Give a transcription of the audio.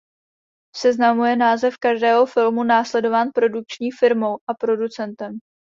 V seznamu je název každého filmu následován produkční firmou a producentem.